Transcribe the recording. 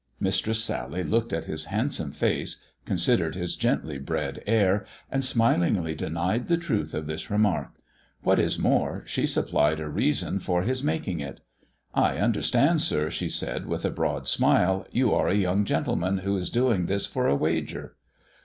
Mistress Sally looked at his handsome face, considerec his gently bred air, and smilingly denied the truth of thij remark. "What is more, she supplied a reason for his making it. " I understand, sir," she said, with a broad smile. " You are a young gentleman who is doing this for a wager."